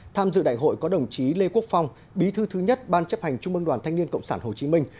tham dự đại hội có đồng chí lê quốc phong bí thư thứ nhất ban chấp hành trung mương đoàn thanh niên cộng sản hồ chí minh